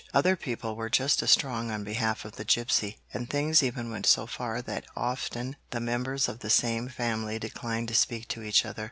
Other people were just as strong on behalf of the gipsy, and things even went so far that often the members of the same family declined to speak to each other.